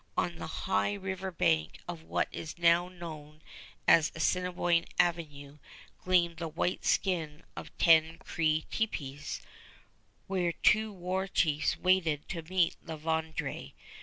On the high river bank of what is now known as Assiniboine Avenue gleamed the white skin of ten Cree tepees, where two war chiefs waited to meet La Vérendrye.